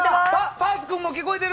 パース君も聞こえてる？